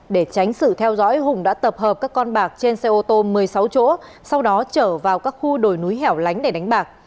để tránh sự theo dõi hùng đã tập hợp các con bạc trên xe ô tô một mươi sáu chỗ sau đó chở vào các khu đồi núi hẻo lánh để đánh bạc